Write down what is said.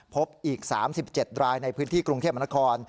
พบอีก๓๗รายในพื้นที่กรุงเทพมนคร